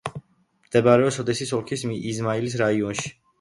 მდებარეობს ოდესის ოლქის იზმაილის რაიონში.